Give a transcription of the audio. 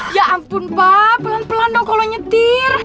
ya ampun pak pelan pelan dong kalau nyetir